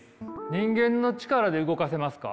人間の力で動かせますか？